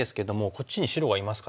こっちに白がいますからね。